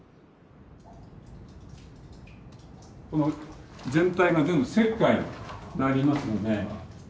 この全体が全部石灰になりますので。